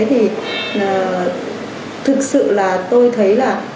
thì thực sự là tôi thấy là